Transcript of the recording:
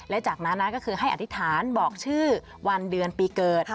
และจากนั้นก็คือให้อธิษฐานบอกชื่อวันเดือนปีเกิด